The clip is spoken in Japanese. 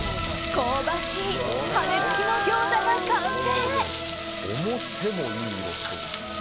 香ばしい羽根付きの餃子が完成。